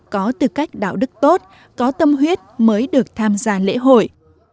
có tư cách đạo đức tốt có tâm huyết mới được tham gia lễ hội